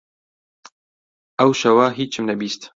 ئەو شەوە هیچم نەبیست.